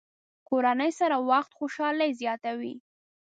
کورنۍ سره وخت خوشحالي زیاتوي.